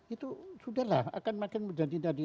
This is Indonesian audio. itu sudah lah akan makin menjadi tadi